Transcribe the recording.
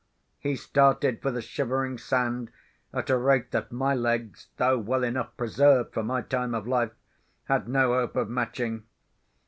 He started for the Shivering Sand, at a rate that my legs (though well enough preserved for my time of life) had no hope of matching.